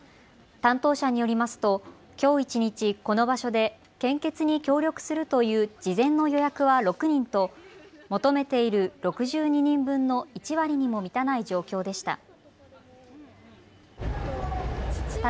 担当者によりますときょう一日この場所で献血に協力するという事前の予約は６人と求めている６２人分の１割にも満たない状況でした。